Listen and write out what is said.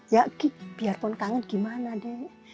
ya biarpun kangen gimana deh